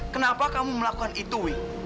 kenapa kamu melakukan itu